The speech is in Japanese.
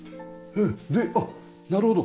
であっなるほど。